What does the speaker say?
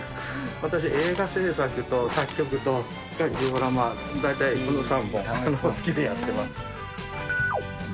私映画制作と作曲とジオラマ大体この３本好きでやってます。